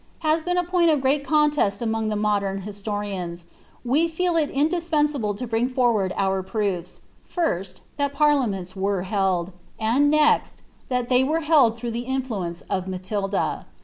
has been a point of great contest among modem historians, we feel it indispensable to bring forward our proofs, first, that parliaments were held ; and next, that they were held through the influ ence of Matilda.